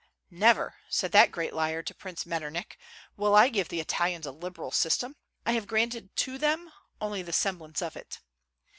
"Never," said that great liar to Prince Metternich, "will I give the Italians a liberal system: I have granted to them only the semblance of it."